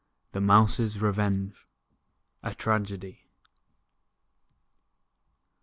THE MOUSE'S REVENGE. A Tragedy.